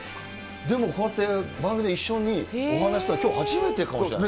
でもこうやって番組で一緒にお話ししたのは、きょう初めてかもしれない。